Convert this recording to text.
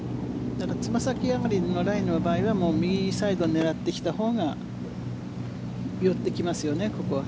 つま先上がりのライの場合は右サイド狙ってきたほうが寄ってきますよね、ここは。